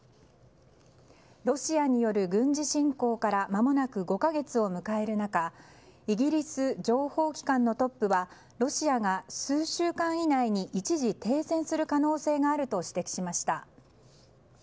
ロシアによる軍事侵攻からまもなく５か月を迎える中イギリス情報機関のトップはロシアが数週間以内に一時停戦する可能性があると指摘しました。